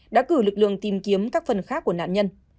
đã cử lực lượng tìm kiếm các phần khác của nạn nhân